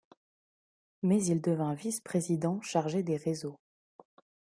Mais il devint vice-président chargé des réseaux.